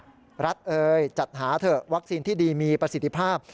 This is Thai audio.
รัฐเอ่ยจัดหาเถอะวัคซีนที่ดีมีประสิทธิภาพ